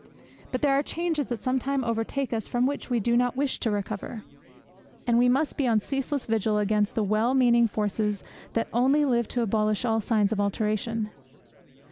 But there are changes that sometimes overtake us from which we do not wish to recover; and we must be on ceaseless vigil against the well meaning forces that only live to abolish all signs of alteration.